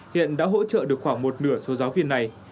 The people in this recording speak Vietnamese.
hiện đã hỗ trợ được khoảng một nửa số giáo viên này